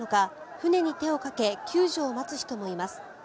船に手をかけ救助を待つ人もいます。